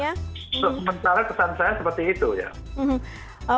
untuk sementara kesan saya seperti itu ya